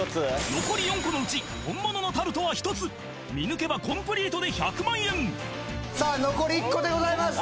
残り４個のうち本物のタルトは１つ見抜けばコンプリートで１００万円さあ残り１個でございます